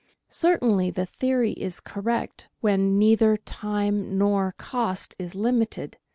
Certainly, the theory is correct when neither time nor cost is limited.